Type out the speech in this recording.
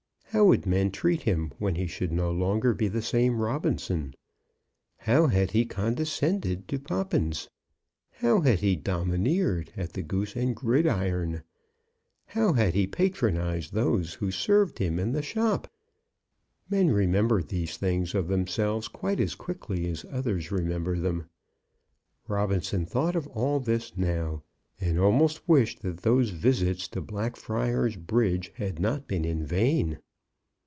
How would men treat him when he should no longer be the same Robinson? How had he condescended to Poppins! how had he domineered at the "Goose and Gridiron!" how had he patronized those who served him in the shop! Men remember these things of themselves quite as quickly as others remember them. Robinson thought of all this now, and almost wished that those visits to Blackfriars Bridge had not been in vain.